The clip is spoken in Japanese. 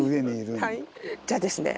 じゃあですね